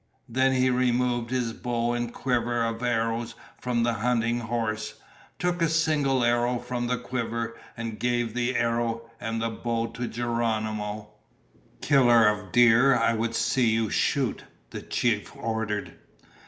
Then he removed his bow and quiver of arrows from the hunting horse, took a single arrow from the quiver, and gave the arrow and the bow to Geronimo. "Killer of deer, I would see you shoot," the chief ordered.